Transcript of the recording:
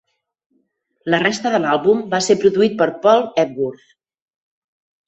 La resta de l'àlbum va ser produït per Paul Epworth.